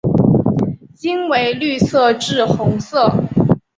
茎为绿色至红色。